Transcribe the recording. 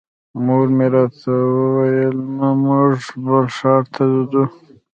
مور مې راته وویل نه موږ بل ښار ته ځو.